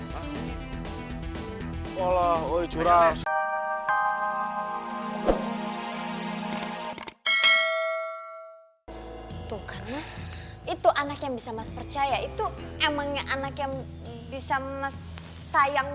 hai allah woi curah tuh itu anak yang bisa mas percaya itu emangnya anak yang bisa mas sayang